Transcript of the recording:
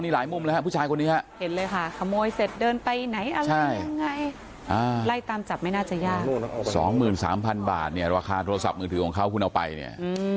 น่าจะอยาก๒๓๐๐๐บาทเนี่ยราคาโทรศัพท์มือถือกับทุนเอาไปเนี่ย